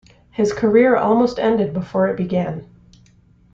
His career almost ended before it began.